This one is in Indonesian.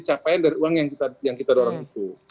capaian dari uang yang kita dorong itu